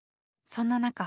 そんな中。